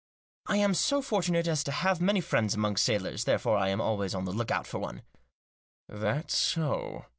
"I am so fortunate as to have many friends among sailors, therefore I am always on the look out for one." " That so?"